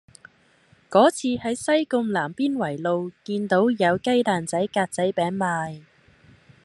嗰次喺西貢南邊圍路見到有雞蛋仔格仔餅賣